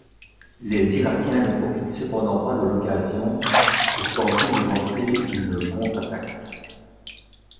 Les Irakiens ne profitent cependant pas de l'occasion pour tenter de lancer une contre-attaque.